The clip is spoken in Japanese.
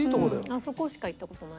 あそこしか行った事ない。